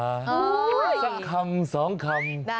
อ๋อเห้ยสังคำสองคำ